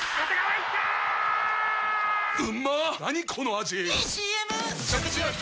⁉いいＣＭ！！